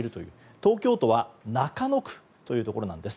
東京都は中野区というところなんです。